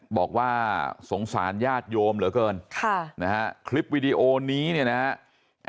บอกว่าสงสารญาติโยมเหลือเกินค่ะนะฮะคลิปวิดีโอนี้เนี่ยนะฮะ